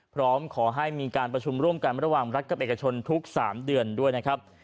พร้อมขอให้มีการประชุมร่วมกันระหว่างรัฐกับเอกชนทุก๓เดือนด้วยนะครับ